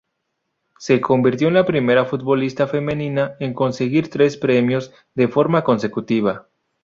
Se convirtió en la primera futbolista femenina en conseguir tres premios de forma consecutiva.